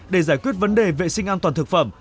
để giải quyết vấn đề vệ sinh an toàn thực phẩm